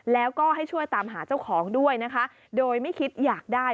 แล้วก็ให้ช่วยตามหาเจ้าของด้วยนะคะโดยไม่คิดอยากได้